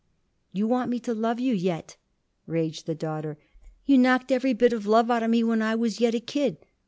"You want me to love you yet?" raged the daughter. "You knocked every bit of love out of me when I was yet a kid.